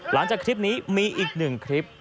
หลังจากคลิปนี้มีอีกหนึ่งคลิป